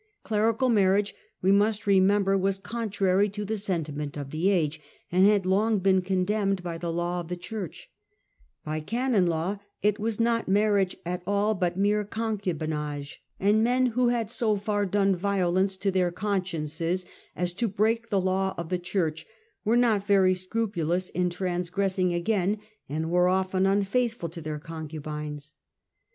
Clerical marriage, we must remem ber, was contrary to the sentiment of the age, and had long been condemned by the law of the Church : by canon law it was not marriage at all, but mere concu binage, and men who had so far done violence to their conscience as to break the law of the Church, were not very scrupulous in transgressing again, and were often unfaithful to their concubines.